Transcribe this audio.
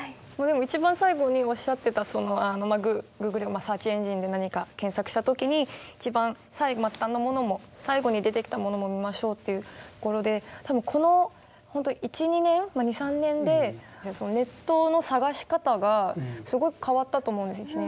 一番最後におっしゃってたサーチエンジンで何か検索した時に一番末端のものも最後に出てきたものも見ましょうっていうところで多分このほんと１２年２３年でネットの探し方がすごく変わったと思うんです自然に。